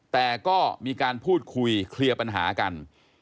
แต่ก็มีการพูดคุยเคลียร์ปัญหากัน